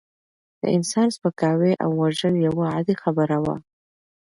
د انسان سپکاوی او وژل یوه عادي خبره وه.